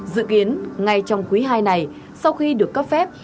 dự kiến ngay trong quý hai này sau khi được cấp phép